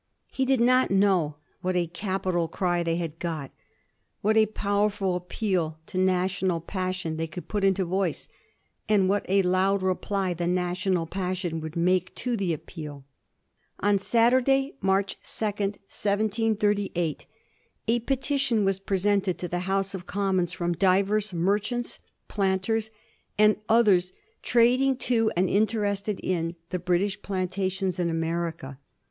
He did not know what a capital cry they had got, what a powerful appeal to national passion they could put into voice, and what a loud reply the national passion would make to the appeal. On Saturday, March 2, 1738, a petition was presented to the House of Commons from divers merchants, planters, and others trading to and interested in the British plantations in America.